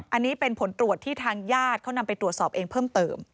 อันนี้เป็นผลตรวจที่ทางญาติเขานำไปตรวจสอบเองเพิ่มเติม